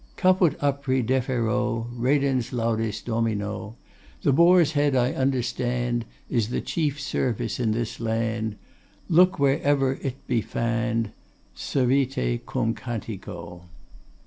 II. Caput Apri defero Reddens laudes Domino. The Boar's heade I understande Is the chief servyce in this lande Loke whereever it be fande, Servite cum cantico.